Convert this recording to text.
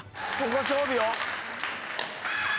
ここ勝負よ。